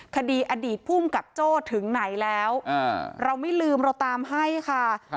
คดีอดีตภูมิกับโจ้ถึงไหนแล้วเราไม่ลืมเราตามให้ค่ะ